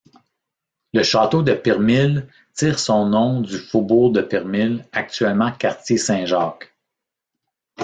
Le château de Pirmil tire son nom du faubourg de Pirmil, actuellement quartier Saint-Jacques.